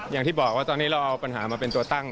อย่างที่บอกว่าตอนนี้เราเอาปัญหามาเป็นตัวตั้ง